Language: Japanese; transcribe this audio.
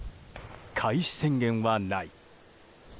開始宣言はない。